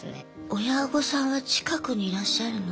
親御さんは近くにいらっしゃるの？